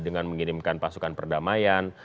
dengan mengirimkan pasukan perdamaian